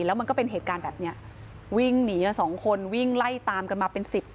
แล้วมันก็เป็นเหตุการณ์แบบเนี้ยวิ่งหนีกันสองคนวิ่งไล่ตามกันมาเป็นสิบ